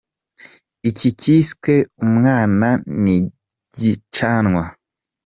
Igiti cyiswe umwana ntigicanwa.